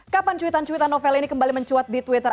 kapan cuitan cuitan novel ini kembali mencuat di twitter